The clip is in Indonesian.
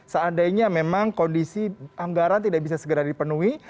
seandainya memang kondisi anggaran tidak bisa segera dipenuhi